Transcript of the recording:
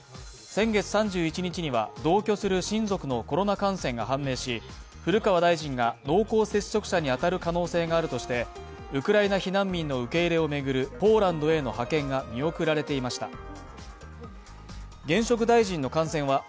先月３１日には同居する親族のコロナ感染が判明し古川大臣が濃厚接触者に当たる可能性があるとしてウクライナ避難民の受け入れを巡るポーランドへの派遣が見送られていました。